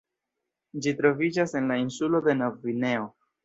Ĝi troviĝas en la insulo de Novgvineo.